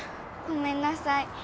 ごめんなさい。